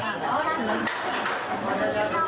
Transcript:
อืม